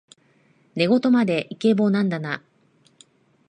寝言までイケボなんだな